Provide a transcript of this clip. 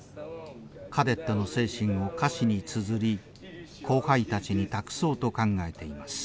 カデットの精神を歌詞につづり後輩たちに託そうと考えています。